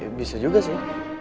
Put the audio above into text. ya bisa juga sih